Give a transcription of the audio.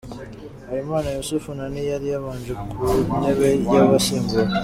Habimana Yussuf Nani yari yabanje ku ntebe y'abasimbura .